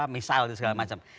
misal dan segala macam